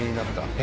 え？